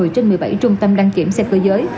một mươi trên một mươi bảy trung tâm đăng kiểm xe cơ giới